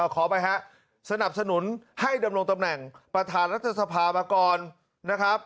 ขอไปฮะสนับสนุนให้ดำรงตำแหน่งประธานรัฐสภามาก่อนนะครับ